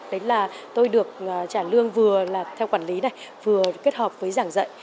đấy là tôi được trả lương vừa là theo quản lý này vừa kết hợp với giảng dạy